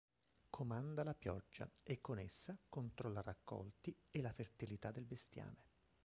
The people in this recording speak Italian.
Comanda la pioggia e con essa controlla raccolti e la fertilità del bestiame.